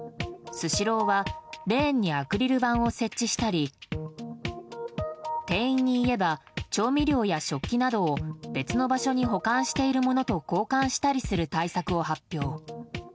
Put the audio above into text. スシローはレーンにアクリル板を設置したり店員に言えば調味料や食器などを別の場所に保管しているものと交換したりする対策を発表。